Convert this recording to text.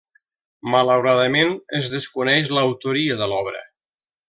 Malauradament, es desconeix l'autoria de l'obra.